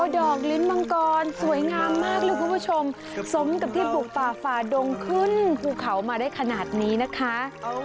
ดอกลิ้นมังกรสวยงามมากเลยคุณผู้ชมสมกับที่ปลูกป่าฝ่าดงขึ้นภูเขามาได้ขนาดนี้นะคะ